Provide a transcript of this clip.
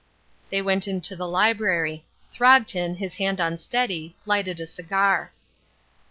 They went into the library. Throgton, his hand unsteady, lighted a cigar.